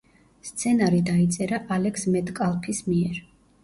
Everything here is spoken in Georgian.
სცენარი დაიწერა ალექს მეტკალფის მიერ.